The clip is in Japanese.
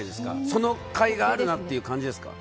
そのかいがあるなっていう感じですか？